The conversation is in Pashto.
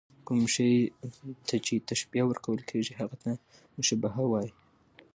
کوم شي ته چي تشبیه ورکول کېږي؛ هغه ته مشبه وايي.